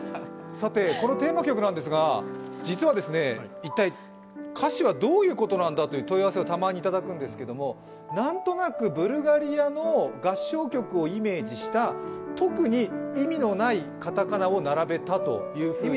このテーマ曲なんですが、実は一体歌詞はどういうことなんだという問い合わせをたまにいただくんですけれども、何となくブルガリアの合唱曲をイメージした特に意味のない片仮名を並べたという。